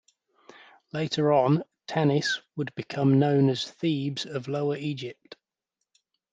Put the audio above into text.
Later on, Tanis would become known as Thebes of Lower Egypt.